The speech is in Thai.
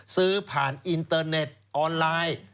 ซื้อผ่านอินเตอร์เน็ตออนไลน์